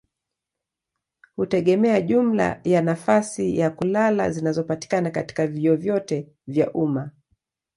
hutegemea jumla ya nafasi za kulala zinazopatikana katika vyuo vyote vya umma.